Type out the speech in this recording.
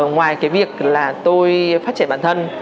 ngoài cái việc là tôi phát triển bản thân